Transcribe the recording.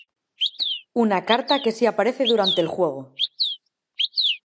Una carta que sí aparece durante el juego.